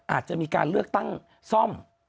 อาจจะมีการเลือกตั้งซ่อม